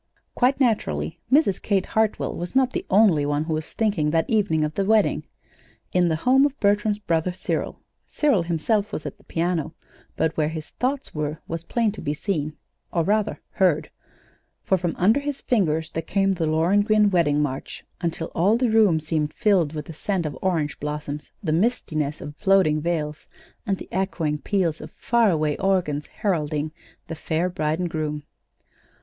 Quite naturally, Mrs. Kate Hartwell was not the only one who was thinking that evening of the wedding. In the home of Bertram's brother Cyril, Cyril himself was at the piano, but where his thoughts were was plain to be seen or rather, heard; for from under his fingers there came the Lohengrin wedding march until all the room seemed filled with the scent of orange blossoms, the mistiness of floating veils, and the echoing peals of far away organs heralding the "Fair Bride and Groom."